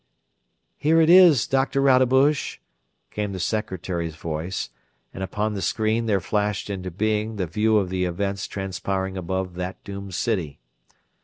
"Here it is, Doctor Rodebush," came the secretary's voice, and upon the screen there flashed into being the view of the events transpiring above that doomed city.